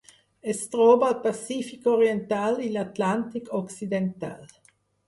Es troba al Pacífic oriental i l'Atlàntic occidental.